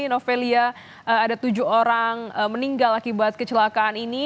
novelia ada tujuh orang meninggal akibat kecelakaan ini